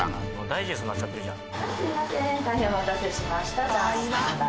大変お待たせしました